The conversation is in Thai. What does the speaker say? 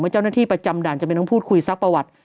เจ้าหน้าที่ประจำด่านจำเป็นต้องพูดคุยซักประวัติ